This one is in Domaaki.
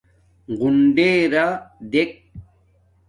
غُنڈݵرݳ دݵک.